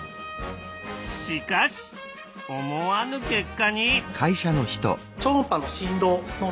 しかし思わぬ結果に。